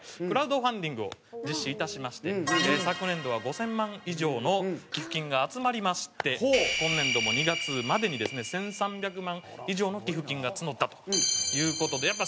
クラウドファンディングを実施致しまして昨年度は５０００万以上の寄付金が集まりまして今年度も２月までにですね１３００万以上の寄付金が集まったという事で。